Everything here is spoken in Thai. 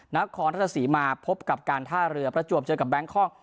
นักของราชสีมาพบกับการท่าเรือพระจวบเจอกับแบงค์คล่อง